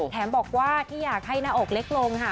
แถมบอกว่าที่อยากให้หน้าอกเล็กลงค่ะ